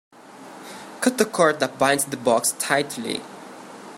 Cut the cord that binds the box tightly.